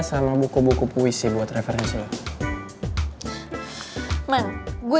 jadi gue ikutan juga